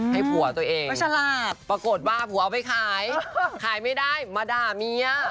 ให้ผัวตัวเองไปฉลาดปรากฏว่าผัวเอาไปขายขายไม่ได้มาด่าเมีย